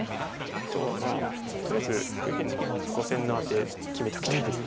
あとはまあとりあえず右辺の５線のアテ決めておきたいです。